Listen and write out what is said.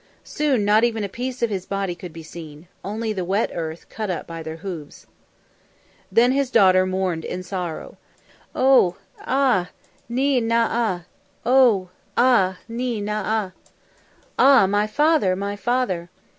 Soon not even a piece of his body could be seen only the wet earth cut up by their hoofs. Then his daughter mourned in sorrow. "Oh! Ah! Ni nah ah! Oh! Ah! Ni nah ah!" Ah, my father, my father.